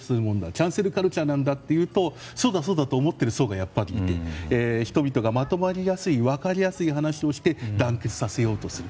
キャンセルカルチャーなんだと思っている方々はそうだ、そうだと思っている層がいて人々がまとまりやすい分かりやすい話をして団結させようとする。